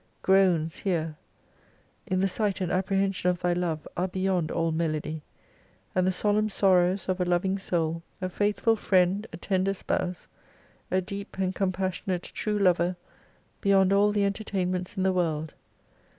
Groans, here, m the sight and apprehension of Thy love are beyond all melody, and the solemn sorrows of a loving Soul, a faithful Friend, a tender Spouse, a deep and compassion ate true Lover, beyond all the entertainments in the world.